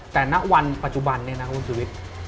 แต่ในวันปัจจุบันเนี่ยนะคุณชูวิทย์